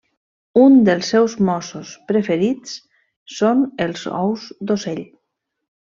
Un dels seus mossos preferits són els ous d'ocell.